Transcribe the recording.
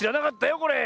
これ。